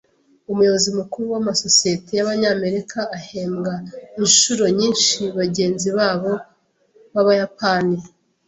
Umuyobozi mukuru w’amasosiyete y'Abanyamerika ahembwa inshuro nyinshi bagenzi babo b'Abayapani